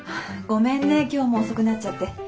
ごめんね今日も遅くなっちゃって。